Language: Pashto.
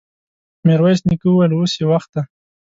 ميرويس نيکه وويل: اوس يې وخت دی!